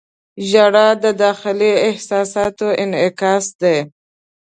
• ژړا د داخلي احساساتو انعکاس دی.